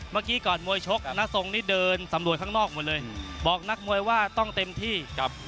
เมื่อกี้ก่อนมวยชกณทรงนี่เดินสำรวจข้างนอกหมดเลยบอกนักมวยว่าต้องเต็มที่ครับ